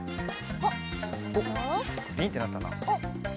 おっグリンってなったな。